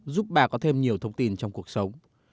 giúp bà có thêm nhiều thông tin trong cuộc sống